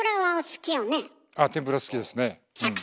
ああ天ぷら好きですね。